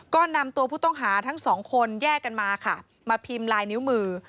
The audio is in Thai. ก็นำตัวผู้ต้องหาทั้งสองคนแยกกันมาค่ะมาพิมพ์ลายนิ้วมือ